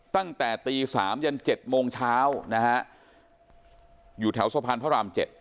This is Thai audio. ตั้งแต่ตี๓ยัน๗โมงเช้านะฮะอยู่แถวสะพานพระราม๗